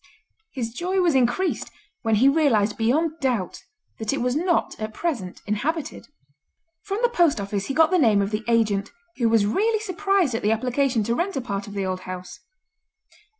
His joy was increased when he realised beyond doubt that it was not at present inhabited. From the post office he got the name of the agent, who was rarely surprised at the application to rent a part of the old house.